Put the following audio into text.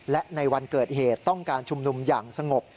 และในวันเกิดเหตุต้องการชุมนุมอย่างสงบ